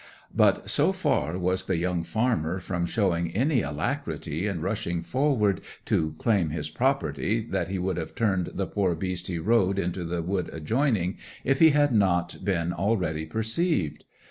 But so far was the young farmer from showing any alacrity in rushing forward to claim his property that he would have turned the poor beast he rode into the wood adjoining, if he had not been already perceived.